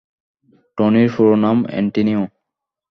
টনির পুরো নাম অ্যান্টনিও?